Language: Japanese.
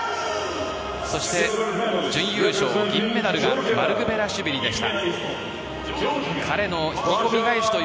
そして準優勝、銀メダルがマルクベラシュビリでした。